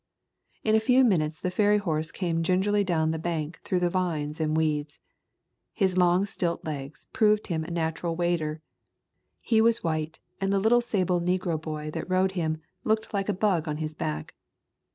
In a few minutes the ferry horse came gin gerly down the bank through vines and weeds. His long stilt legs proved him a natural wader. He was white and the little sable negro boy that rode him looked like a bug on his back.